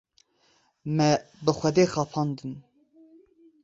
Me bi Xwedê xapandin.